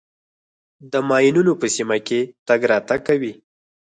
د ماینونو په سیمه کې تګ راتګ کوئ.